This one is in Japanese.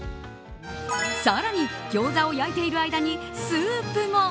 更に、ギョーザを焼いている間にスープも。